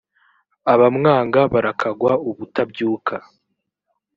abamwanga barakagwa ubutabyuka.